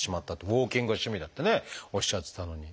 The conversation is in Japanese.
ウォーキングが趣味だっておっしゃってたのに。